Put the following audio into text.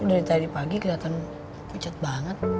dari tadi pagi kelihatan pucat banget